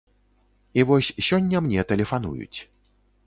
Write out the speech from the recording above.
І вось сёння мне тэлефануюць.